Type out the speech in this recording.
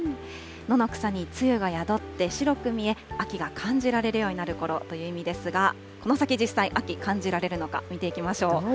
野の草に露が宿って白く見え、秋が感じられるようになるころという意味ですが、この先実際、秋、感じられるのか、見ていきましょう。